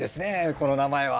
この名前は。